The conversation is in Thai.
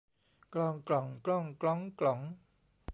กลอง กล่อง กล้อง กล๊อง กล๋อง